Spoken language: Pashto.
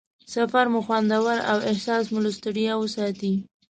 سفر مو خوندور او احساس مو له ستړیا وساتي.